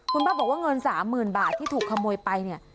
คุณป้าบอกว่าเงิน๓๐๐๐บาทที่ถูกขโมยไปเนี่ย